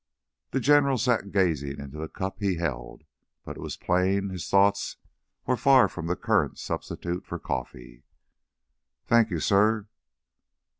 The General sat gazing into the cup he held, but it was plain his thoughts were far from the current substitute for coffee. "Thank you, suh."